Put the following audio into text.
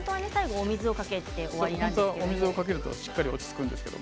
お水をかけるとしっかりと落ち着くんです。